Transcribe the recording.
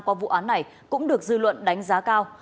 qua vụ án này cũng được dư luận đánh giá cao